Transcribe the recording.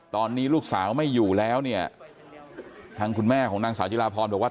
ตอนนี้ลูกสาวไม่อยู่แล้วเนี่ยทางคุณแม่ของนางสาวจิราพรบอกว่า